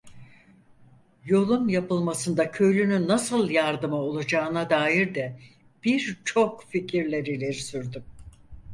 Yolun yapılmasında köylünün nasıl yardımı olacağına dair de birçok fikirler ileri sürdüm.